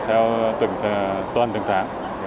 theo tuần từng tháng